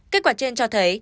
kết quả trên cho thấy